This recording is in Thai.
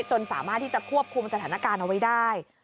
จนสามารถที่จะควบคุมสถานการณ์เอาไว้ได้